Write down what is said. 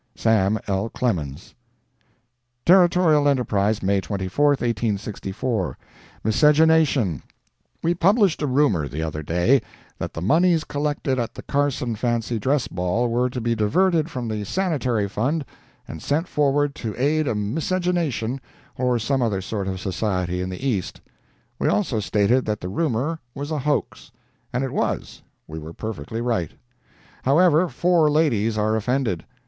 SAM. L. CLEMENS Territorial Enterprise, May 24, 1864 "MISCEGENATION" We published a rumor, the other day, that the moneys collected at the Carson Fancy Dress Ball were to be diverted from the Sanitary Fund and sent forward to aid a "miscegenation" or some other sort of Society in the East. We also stated that the rumor was a hoax. And it was—we were perfectly right. However, four ladies are offended.